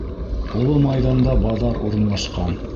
Оло майҙанда баҙар урынлашҡан.